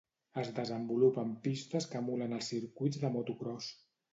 Es desenvolupa en pistes que emulen els circuits de motocròs.